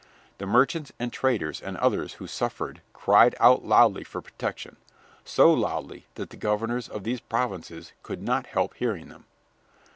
The merchants and traders and others who suffered cried out loudly for protection, so loudly that the governors of these provinces could not help hearing them.